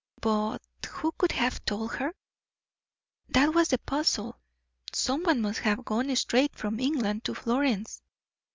But who could have told her? that was the puzzle. Some one must have gone straight from England to Florence.